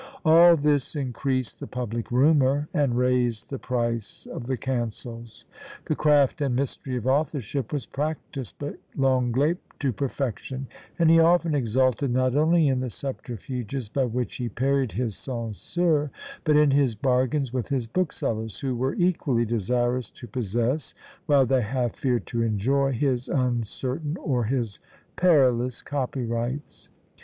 All this increased the public rumour, and raised the price of the cancels. The craft and mystery of authorship was practised by Lenglet to perfection; and he often exulted, not only in the subterfuges by which he parried his censeurs, but in his bargains with his booksellers, who were equally desirous to possess, while they half feared to enjoy, his uncertain or his perilous copyrights.